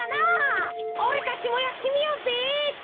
おれたちもやってみようぜ。